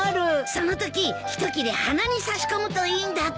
そのとき一切れ鼻に差し込むといいんだって。